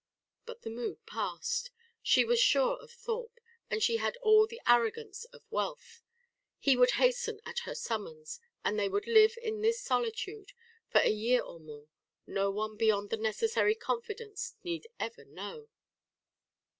But the mood passed. She was sure of Thorpe, and she had all the arrogance of wealth. He would hasten at her summons, and they would live in this solitude for a year or more; no one beyond the necessary confidants need ever know.